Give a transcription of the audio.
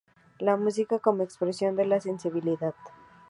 La música como expresión de la sensibilidad.